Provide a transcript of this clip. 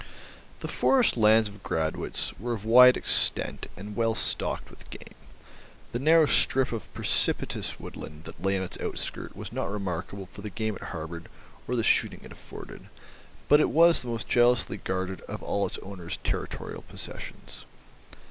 The forest lands of Gradwitz were of wide extent and well stocked with game; the narrow strip of precipitous woodland that lay on its outskirt was not remarkable for the game it harboured or the shooting it afforded, but it was the most jealously guarded of all its owner's territorial possessions.